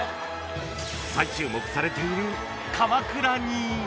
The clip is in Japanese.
［再注目されている鎌倉に］